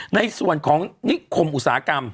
ในส่วนของนิคมอุตสาหกรรม